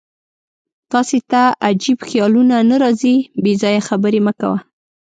تاسې ته عجیب خیالونه نه راځي؟ بېځایه خبرې مه کوه.